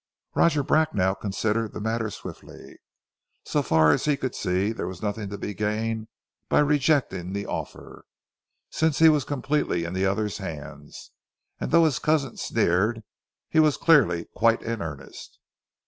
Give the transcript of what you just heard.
Roger Bracknell considered the matter swiftly. So far as he could see there was nothing to gain by rejecting the offer, since he was completely in the other's hands, and though his cousin sneered he was clearly quite in earnest.